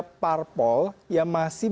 ada parpol yang masih